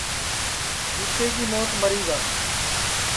کُتے کی موت مری گا